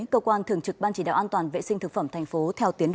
cơ quan thường trực ban chỉ đạo an toàn vệ sinh thực phẩm thành phố theo tiến độ